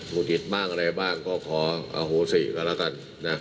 มุติบ้างอะไรบ้างก็ขออโฮศิกรรมแล้วกัน